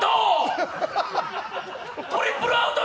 トリプルアウト！